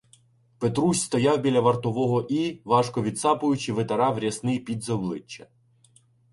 Петрусь стояв біля вартового і, важко відсапуючи, витирав рясний піт з обличчя.